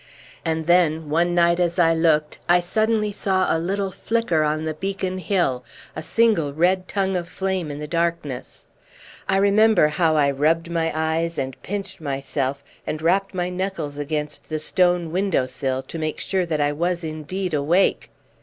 And then one night as I looked I suddenly saw a little flicker on the beacon hill a single red tongue of flame in the darkness. I remember how I rubbed my eyes, and pinched myself, and rapped my knuckles against the stone window sill, to make sure that I was indeed awake.